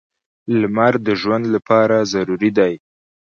• لمر د ژوند لپاره ضروري دی.